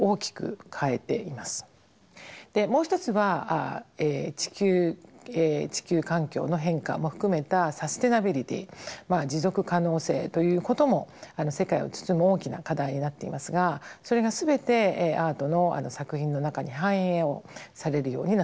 もう一つは地球環境の変化も含めたサステナビリティ持続可能性ということも世界を包む大きな課題になっていますがそれが全てアートの作品の中に反映をされるようになってます。